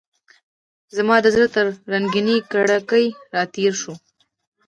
زما د زړه تر رنګینې کړکۍ راتیر شو